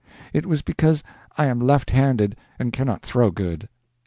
It was because I am left handed and cannot throw good.